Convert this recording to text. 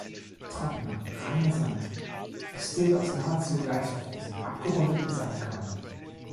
Trockener, reiner Sand besteht aus nahezu gleich großen, abgerundeten Sandkörnern.